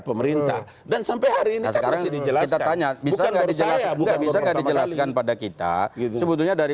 pemerintah dan sampai hari ini sekarang jadi jelas tanya bisa dijelaskan pada kita sebetulnya dari